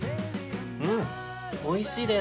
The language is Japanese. うん、おいしいです。